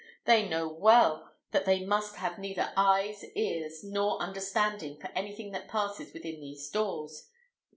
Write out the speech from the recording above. They know well that they must have neither eyes, ears, nor understanding for anything that passes within these doors.